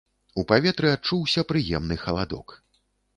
У паветры адчуўся прыемны халадок.